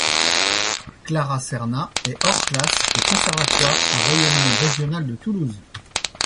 Clara Cernat est hors-classe au conservatoire à rayonnement régional de Toulouse.